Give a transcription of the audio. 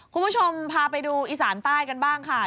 คุณผู้ชมพาไปดูอีสานใต้กันบ้างค่ะ